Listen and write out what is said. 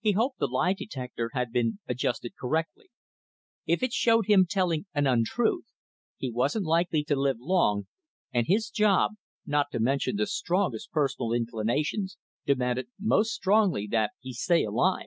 He hoped the lie detector had been adjusted correctly. If it showed him telling an untruth, he wasn't likely to live long, and his job not to mention the strongest personal inclinations demanded most strongly that he stay alive.